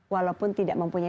walaupun tidak mempunyai